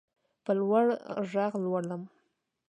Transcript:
په لوړ غږ لولم.